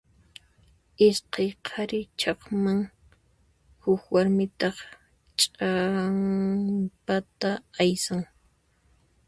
Iskay qhari chaqman, huk warmitaq ch'ampata aysan.